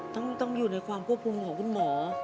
ต้องอยู่ในความควบคุมของคุณหมอ